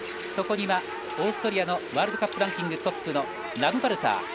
そこにオーストリアのワールドカップランキングトップラムパルター。